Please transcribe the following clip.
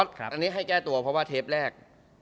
อันนี้ให้แก้ตัวเพราะว่าเทปแรก